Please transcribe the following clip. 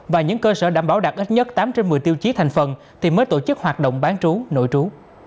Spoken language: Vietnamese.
và những cơ sở đảm bảo đạt ít nhất tám trên một mươi tiêu chí thành phần thì mới tổ chức hoạt động bán trú nội trú